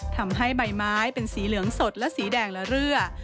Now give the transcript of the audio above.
ทำให้ใบไม้เป็นสีเหลืองสดและสีแดงและเรือ